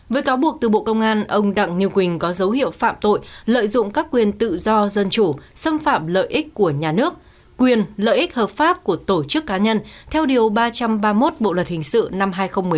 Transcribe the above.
với cáo buộc từ bộ công an ông đặng như quỳnh có dấu hiệu phạm tội lợi dụng các quyền tự do dân chủ xâm phạm lợi ích của nhà nước quyền lợi ích hợp pháp của tổ chức cá nhân theo điều ba trăm ba mươi một bộ luật hình sự năm hai nghìn một mươi năm